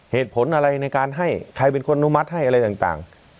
เหตุผลอะไรในการให้ใครเป็นคนอนุมัติให้อะไรต่าง